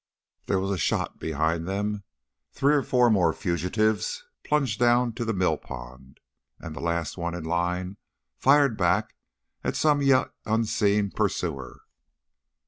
There was a shot behind them, three or four more fugitives plunged down to the millpond, and the last one in line fired back at some yet unseen pursuer.